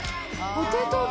ポテト丼。